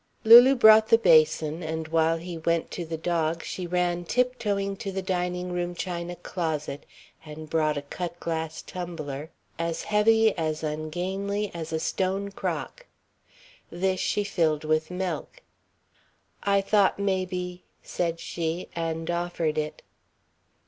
Lulu brought the basin, and while he went to the dog she ran tiptoeing to the dining room china closet and brought a cut glass tumbler, as heavy, as ungainly as a stone crock. This she filled with milk. "I thought maybe ..." said she, and offered it.